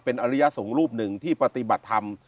เป็นอริยสงฆ์รูปหนึ่งที่ปฏิบัติธรรม